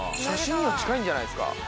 写真のに近いんじゃないですか？